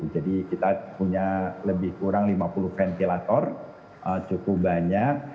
jadi kita punya lebih kurang lima puluh ventilator cukup banyak